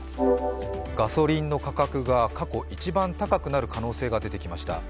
ガソリンの価格が過去一番高くなる可能性が出てきました。